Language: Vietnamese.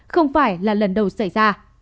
không phải là lần đầu xảy ra